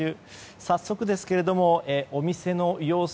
早速ですが、お店の様子。